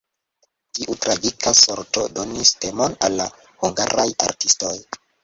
Tiu tragika sorto donis temon al hungaraj artistoj.